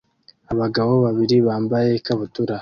Abagabo babiri bambaye ikabutura